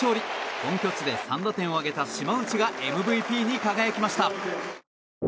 本拠地で３打点を挙げた島内がＭＶＰに輝きました。